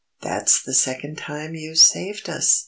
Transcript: "That's the second time you've saved us!"